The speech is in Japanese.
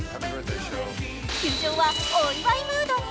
球場はお祝いムードに。